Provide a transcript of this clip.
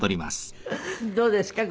どうですか？